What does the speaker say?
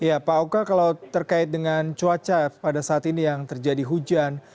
ya pak oke kalau terkait dengan cuaca pada saat ini yang terjadi hujan